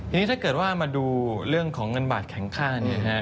ทีนี้ถ้าเกิดว่ามาดูเรื่องของเงินบาทแข็งค่า